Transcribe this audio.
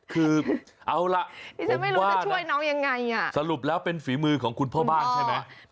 คือเอาล่ะนี่ฉันไม่รู้ว่าจะช่วยน้องยังไงสรุปแล้วเป็นฝีมือของคุณพ่อบ้านใช่ไหม